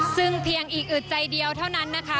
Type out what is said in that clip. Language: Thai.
ซึ่งเพียงอีกอึดใจเดียวเท่านั้นนะคะ